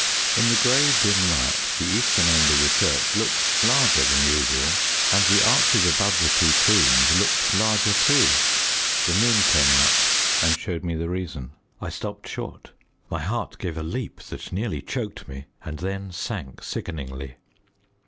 In the grey dim light the eastern end of the church looked larger than usual, and the arches above the two tombs looked larger too. The moon came out and showed me the reason. I stopped short, my heart gave a leap that nearly choked me, and then sank sickeningly.